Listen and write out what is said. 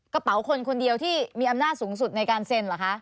คนคนเดียวที่มีอำนาจสูงสุดในการเซ็นเหรอคะ